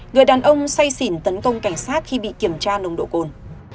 người đàn ông say xỉn tấn công cảnh sát khi bị kiểm tra nồng độ cồn